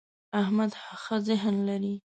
احمد ښه ذهن لري.